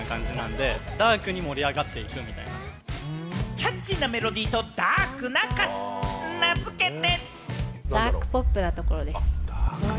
キャッチーなメロディーとダークな歌詞、名付けて。